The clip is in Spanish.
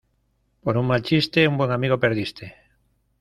Por un mal chiste un buen amigo perdiste.